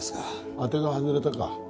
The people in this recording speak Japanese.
当てが外れたか。